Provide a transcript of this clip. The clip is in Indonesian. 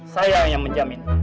saya yang menjamin